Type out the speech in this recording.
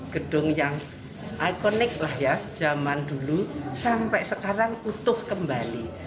gedung yang ikonik lah ya zaman dulu sampai sekarang utuh kembali